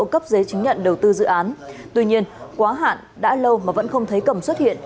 cấp giấy chứng nhận đầu tư dự án tuy nhiên quá hạn đã lâu mà vẫn không thấy cầm xuất hiện